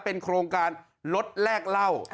เป็นโครงการลดแลกเหล้า